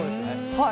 はい。